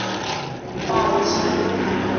পাঁচ